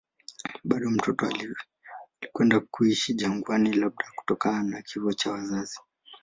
Bado mtoto alikwenda kuishi jangwani, labda kutokana na kifo cha wazazi.